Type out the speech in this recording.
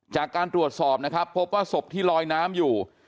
จากการตรวจสอบนะครับพบว่าศพที่ลอยน้ำอยู่